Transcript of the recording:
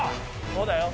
そうだよ。